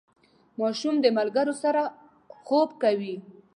ماشوم د ملګرو سره خوب کوي.